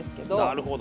なるほど。